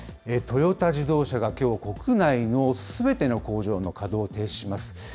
トヨタ自動車がきょう、国内のすべての工場の稼働を停止します。